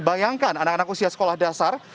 bayangkan anak anak usia sekolah dasar